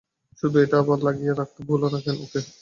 শুধু এটা আবার লাগিয়ে রাখতে ভুলো না, ওকে?